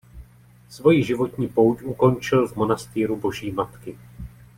Svojí životní pouť ukončil v monastýru Boží Matky.